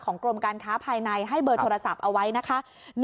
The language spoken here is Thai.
กรมการค้าภายในให้เบอร์โทรศัพท์เอาไว้นะคะ